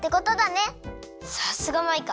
さすがマイカ。